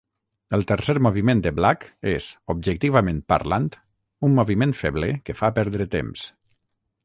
El tercer moviment de Black és, objectivament parlant, un moviment feble que fa perdre temps.